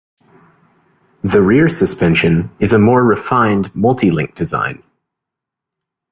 The rear suspension is a more refined Multi-link design.